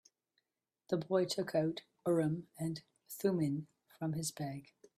The boy took out Urim and Thummim from his bag.